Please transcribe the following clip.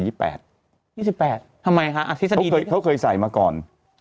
ทำไมคะทฤษฎีเคยเขาเคยใส่มาก่อน